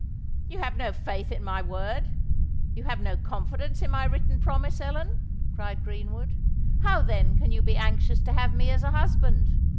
"You have no faith in my word—you have no confidence in my written promise, Ellen," cried Greenwood: "how, then, can you be anxious to have me as a husband?"